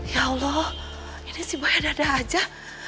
ya allah ini si boy ada ada aja